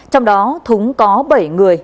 trong đó thúng có bảy người